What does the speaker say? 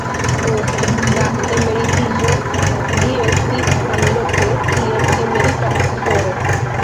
Post la emeritiĝo li restis samloke kiel emerita profesoro.